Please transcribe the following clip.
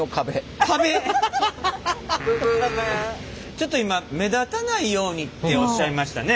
ちょっと今「目立たないように」っておっしゃいましたね？